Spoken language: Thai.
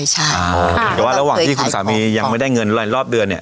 แต่ว่าระหว่างที่คุณสามียังไม่ได้เงินรอบเดือนเนี่ย